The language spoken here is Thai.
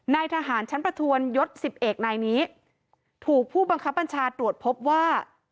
นายทหารชั้นประทวนยศ๑๑นายนี้ถูกผู้บังคับบัญชาตรวจพบว่า